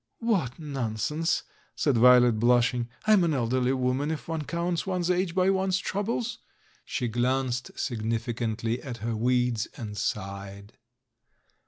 "What nonsense!" said Violet, blushing; "I'm an elderly woman if one counts one's age by one's THE THIRD M 339 troubles." She glanced significantly at her weeds, and sighed.